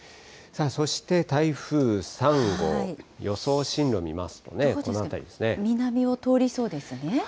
そして、台風３号、予想進路見ますとね、南を通りそうですね。